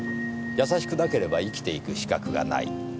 優しくなければ生きていく資格がない。